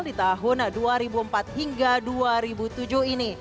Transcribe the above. di tahun dua ribu empat hingga dua ribu tujuh ini